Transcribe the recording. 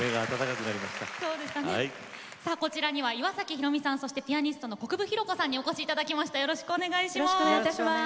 岩崎宏美さん、そしてピアニストの国府弘子さんにお越しいただきました。